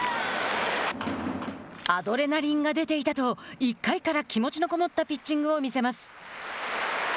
「アドレナリンが出ていた」と１回から気持ちのこもったピッチングを見せます。